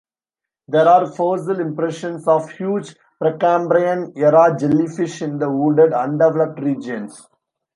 There are fossil impressions of huge Precambrian Era jellyfish in the wooded, undeveloped regions.